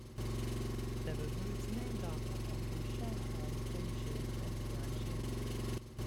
There are roads named after him in Shanghai, Beijing and Tianjin.